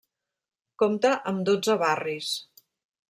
Compta amb dotze barris.